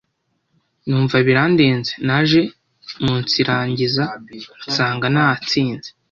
numva birandenze naje umunsirangiza nsanga nanatsinze